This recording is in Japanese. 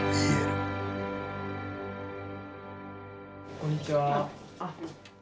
こんにちは。